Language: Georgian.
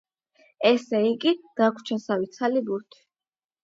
ესე იგი, დაგვრჩა სამი ცალი ბურთი.